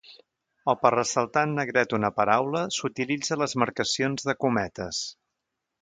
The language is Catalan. O per ressaltar en negreta una paraula s'utilitza les marcacions de cometes.